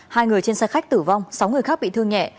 hai người trên xe khách tử vong sáu người khác bị thương nhẹ